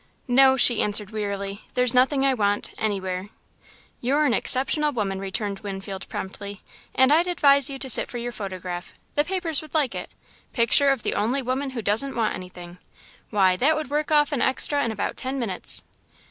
"No," she answered, wearily, "there's nothing I want anywhere." "You're an exceptional woman," returned Winfield, promptly, "and I'd advise you to sit for your photograph. The papers would like it 'Picture of the Only Woman Who Doesn't Want Anything' why, that would work off an extra in about ten minutes!"